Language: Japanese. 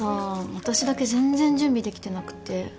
私だけ全然準備できてなくて焦っちゃった。